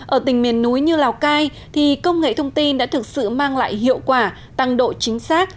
ở tỉnh miền núi như lào cai thì công nghệ thông tin đã thực sự mang lại hiệu quả tăng độ chính xác